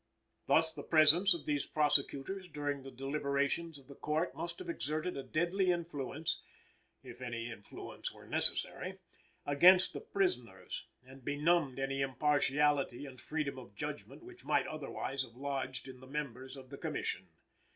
Thus, the presence of these prosecutors during the deliberations of the Court must have exerted a deadly influence (if any influence were necessary) against the prisoners, and benumbed any impartiality and freedom of judgment which might otherwise have lodged in the members of the Commission.